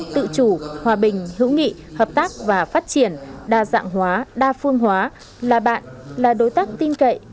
tự chủ hòa bình hữu nghị hợp tác và phát triển đa dạng hóa đa phương hóa là bạn là đối tác tin cậy